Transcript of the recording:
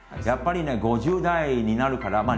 やっぱりね５０代になるから。